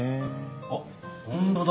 あっホントだ。